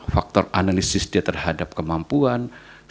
faktor analisis dia terhadap kemampuan